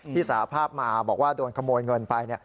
สาภาพมาบอกว่าโดนขโมยเงินไป